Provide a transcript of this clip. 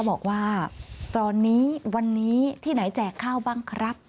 บอกว่าตอนนี้วันนี้ที่ไหนแจกข้าวบ้างครับ